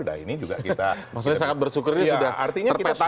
maksudnya sangat bersyukur ini sudah terpetahkan